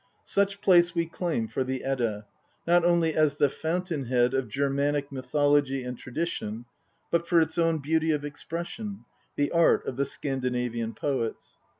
Such place we claim for the Edda, not only as the fountain head of Germanic mythology and tradition, but for its own beauty of expression the art of the Scandinavian poets.